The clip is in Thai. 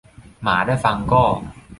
หมาได้ฟังก็